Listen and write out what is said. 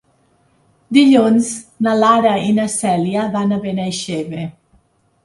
Dilluns na Lara i na Cèlia van a Benaixeve.